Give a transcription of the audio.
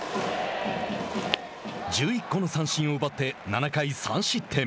１１個の三振を奪って７回３失点。